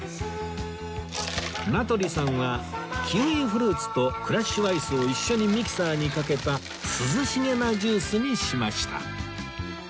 名取さんはキウイフルーツとクラッシュアイスを一緒にミキサーにかけた涼しげなジュースにしました